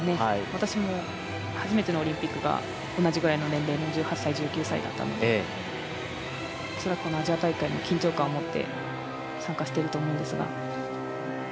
私も初めてのオリンピックが同じような年齢の１８歳、１９歳だったので恐らくアジア大会も緊張感を持って参加していると思うんですが。